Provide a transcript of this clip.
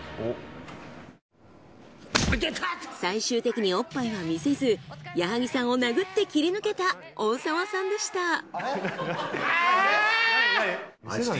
最終的におっぱいは見せず矢作さんを殴って切り抜けた大沢さんでした。